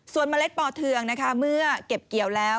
เมล็ดป่อเทืองนะคะเมื่อเก็บเกี่ยวแล้ว